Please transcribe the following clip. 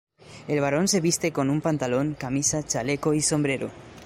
El varón se viste con un pantalón, camisa, chaleco y sombrero.